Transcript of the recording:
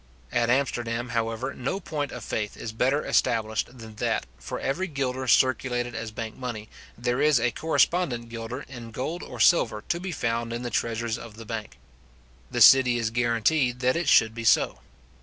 At Amsterdam, however, no point of faith is better established than that, for every guilder circulated as bank money, there is a correspondent guilder in gold or silver to be found in the treasures of the bank. The city is guarantee that it should be so.